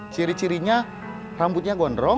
ciri cirinya rambutnya gondrong